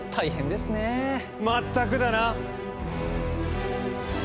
全くだな。